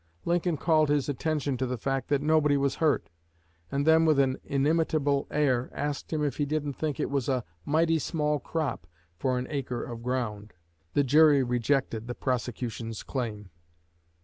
Lincoln called his attention to the fact that nobody was hurt, and then with an inimitable air asked him if he didn't think it was "a mighty small crop for an acre of ground." The jury rejected the prosecution's claim.